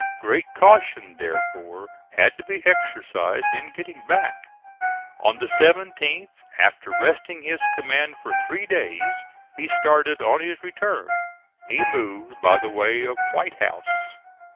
Great caution therefore had to be exercised in getting back. On the 17th, after resting his command for three days, he started on his return. He moved by the way of White House.